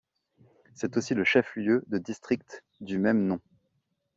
C'est aussi le chef-lieu de District du même nom.